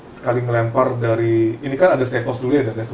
sekali melempar dari ini kan ada setos dulu ya